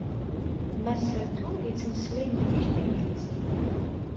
Mass Sato yettmeslay mliḥ tanglizit.